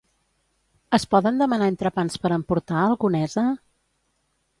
Es poden demanar entrepans per emportar al Conesa?